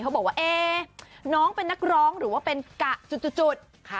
บอกว่าเอ๊น้องเป็นนักร้องหรือว่าเป็นกะจุด